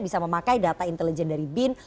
bisa memakai data intelijen dari bin